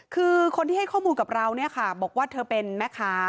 คือคนที่ให้ข้อมูลกับเราเนี่ยค่ะบอกว่าเธอเป็นแม่ค้า